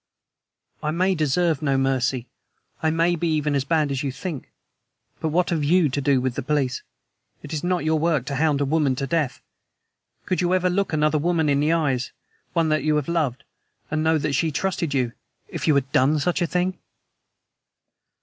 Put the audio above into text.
"I may deserve no mercy; I may be even as bad as you think; but what have YOU to do with the police? It is not your work to hound a woman to death. Could you ever look another woman in the eyes one that you loved, and know that she trusted you if you had done such a thing?